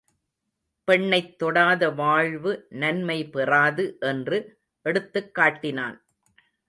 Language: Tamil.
பெண்ணைத் தொடாத வாழ்வு நன்மை பெறாது என்று எடுத்துக்காட்டினான்.